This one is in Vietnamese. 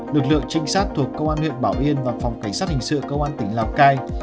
lực lượng trinh sát thuộc công an huyện bảo yên và phòng cảnh sát hình sự công an tỉnh lào cai